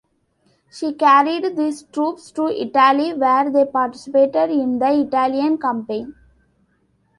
She carried these troops to Italy, where they participated in the Italian campaign.